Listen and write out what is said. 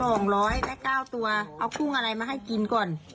เพราะว่าเอากุ้งอะไรใส่มาให้กิน